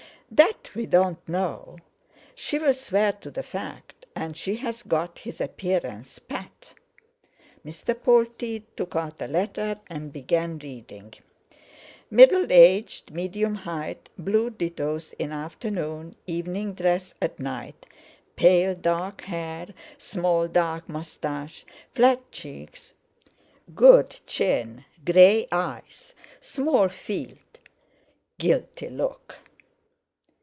"That we don't know. She'll swear to the fact, and she's got his appearance pat." Mr. Polteed took out a letter, and began reading: "'Middle aged, medium height, blue dittoes in afternoon, evening dress at night, pale, dark hair, small dark moustache, flat cheeks, good chin, grey eyes, small feet, guilty look....